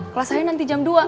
kalau saya nanti jam dua